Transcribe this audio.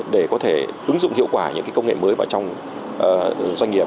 để có thể ứng dụng hiệu quả những công nghệ mới vào trong doanh nghiệp